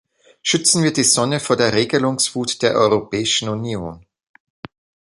Schützen wir die Sonne vor der Regelungswut der Europäischen Union!